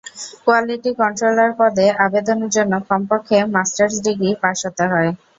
Quality controller পদে আবেদনের জন্য কমপক্ষে মাস্টার্স ডিগ্রি পাস হতে হয়।